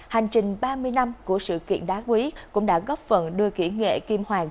hành trình ba mươi năm của sự kiện đá quý cũng đã góp phần đưa kỹ nghệ kim hoàng